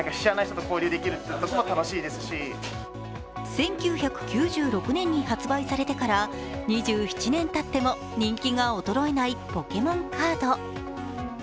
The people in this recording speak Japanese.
１９９６年に発売されてから２７年たっても人気が衰えない「ポケモンカード」。